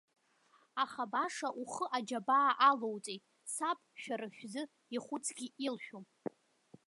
Аха баша ухы аџьабаа алоуҵеит, саб шәара шәзы ихәыцгьы илшәом.